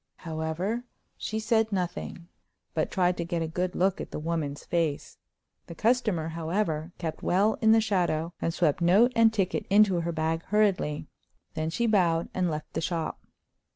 However, she said nothing, but tried to get a good look at the woman's face. The customer, however, kept well in the shadow, and swept note and ticket into her bag hurriedly. Then she bowed and left the shop.